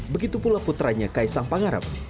begitu pula puteranya kaisang pangarap